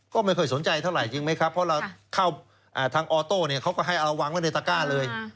ก็ไม่ค่อยสนใจเท่าไหร่จริงไหมครับเพราะเราเข้าทางออโต้เขาก็ให้เอาวางไว้ในตระก้าเลย